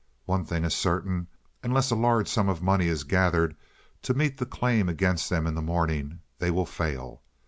One thing is certain: unless a large sum of money is gathered to meet the claim against them in the morning, they will fail.